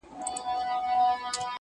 تامي د خوښۍ سترگي راوباسلې مړې دي كړې.